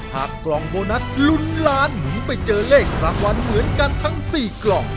กล่องโบนัสลุ้นล้านหมุนไปเจอเลขรางวัลเหมือนกันทั้ง๔กล่อง